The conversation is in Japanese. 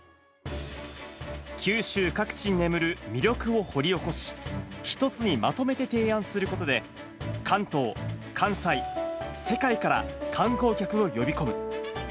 九州各地に眠る魅力を掘り起こし、１つにまとめて提案することで、関東、関西、世界から観光客を呼び込む。